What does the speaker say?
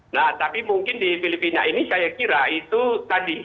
nah tapi mungkin di filipina ini saya kira itu tadi